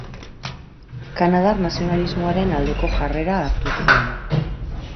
Kanadar nazionalismoaren aldeko jarrera hartu zuen.